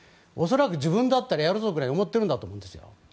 恐らく自分だったらやるぞぐらいに思っているんだと思うんですよ。